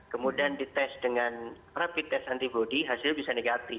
kemudian dites dengan rapid test antibody hasilnya bisa negatif